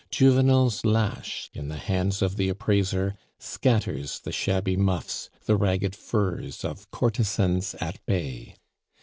Juvenal's lash, in the hands of the appraiser, scatters the shabby muffs, the ragged furs of courtesans at bay.